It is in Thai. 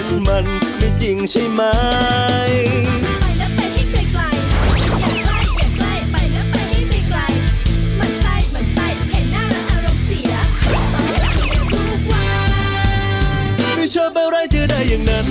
ดูแล้วคงไม่รอดเพราะเราคู่กัน